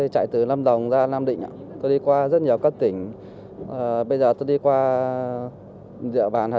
bây giờ tôi đi qua địa bàn hà tĩnh